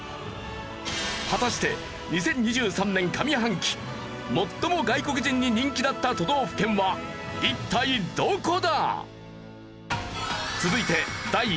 果たして２０２３年上半期最も外国人に人気だった都道府県は一体どこだ？